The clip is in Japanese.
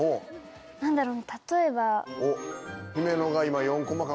何だろうな？